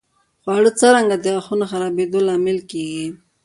خواړه څرنګه د غاښونو د خرابېدو لامل کېږي؟